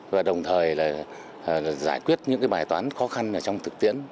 và đồng thời giải quyết những bài toán khó khăn trong thực tiễn